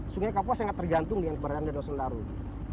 sungai kapuas sangat tergantung dengan keberadaan danau sentarung